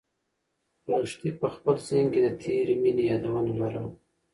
لښتې په خپل ذهن کې د تېرې مېنې یادونه لرل.